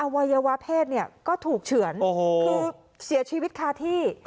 วัยวะเพศก็ถูกเฉือนคือเสียชีวิตคาที่